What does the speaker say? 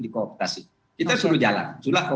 dikoordinasi kita suruh jalan